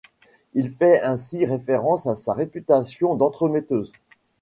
Il fait ainsi référence à sa réputation d'entremetteuse.